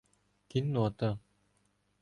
— Кіннота!